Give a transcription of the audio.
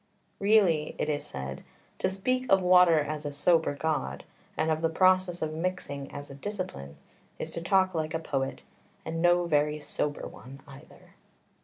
Really, it is said, to speak of water as a "sober god," and of the process of mixing as a "discipline," is to talk like a poet, and no very sober one either.